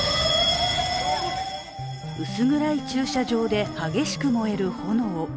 薄暗い駐車場で激しく燃える炎。